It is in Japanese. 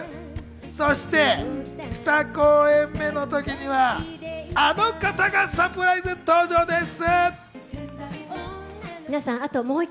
そして２公演目の時には、あの方がサプライズ登場です。